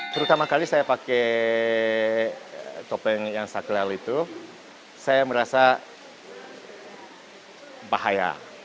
terutama kali saya pakai topeng yang sakral itu saya merasa bahaya